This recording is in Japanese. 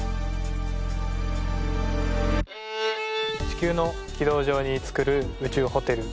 地球の軌道上に作る宇宙ホテル